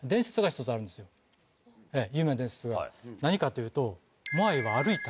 有名な伝説何かっていうと。